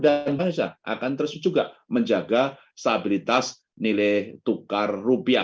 dan bank indonesia akan terus juga menjaga stabilitas nilai tukar rupiah